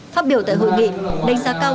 phát biểu tại hội nghị đánh giá cao